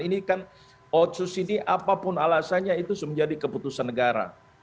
ini kan otsus ini apapun alasannya itu menjadi keputusan negara